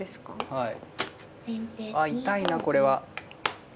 はい。